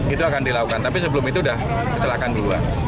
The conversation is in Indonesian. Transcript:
itu akan dilakukan tapi sebelum itu sudah kecelakaan duluan